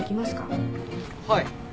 はい。